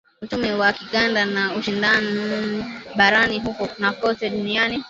uchumi wa kikanda na ushindani barani huko na kote duniani